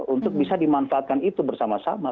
untuk bisa dimanfaatkan itu bersama sama